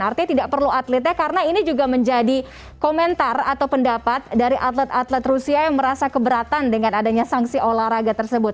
artinya tidak perlu atletnya karena ini juga menjadi komentar atau pendapat dari atlet atlet rusia yang merasa keberatan dengan adanya sanksi olahraga tersebut